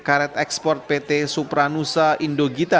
karet ekspor pt supranusa indogita